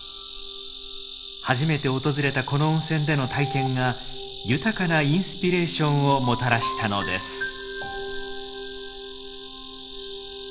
初めて訪れたこの温泉での体験が豊かなインスピレーションをもたらしたのです。